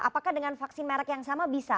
apakah dengan vaksin merek yang sama bisa